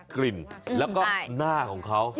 กลิ่นแล้วก็หน้าของเขา